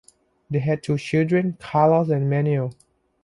They had two children, Carlos and Manuel.